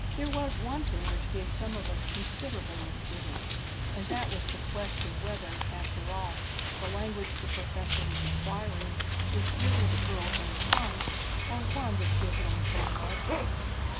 There was one thing which gave some of us considerable misgiving, and that was the question whether, after all, the language the professor was acquiring was really the girl's own tongue or one that she had learned from the Martians.